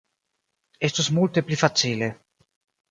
Estus multe pli facile.